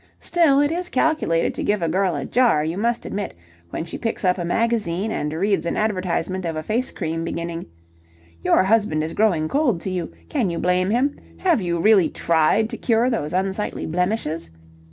Still, it is calculated to give a girl a jar, you must admit, when she picks up a magazine and reads an advertisement of a face cream beginning, 'Your husband is growing cold to you. Can you blame him? Have you really tried to cure those unsightly blemishes?'